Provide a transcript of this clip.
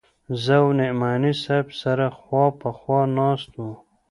زه او نعماني صاحب سره خوا په خوا ناست وو.